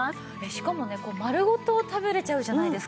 しかもね丸ごと食べれちゃうじゃないですか。